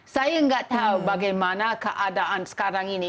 saya nggak tahu bagaimana keadaan sekarang ini